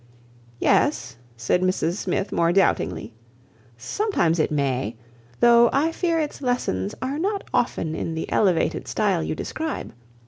"Yes," said Mrs Smith more doubtingly, "sometimes it may, though I fear its lessons are not often in the elevated style you describe.